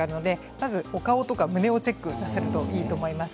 まず、お顔や胸をチェックするのがいいと思います。